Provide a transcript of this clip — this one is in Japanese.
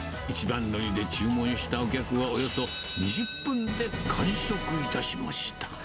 一番乗りで注文したお客は、およそ２０分で完食いたしました。